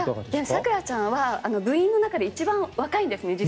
咲良ちゃんは部員の中で一番若いんですね。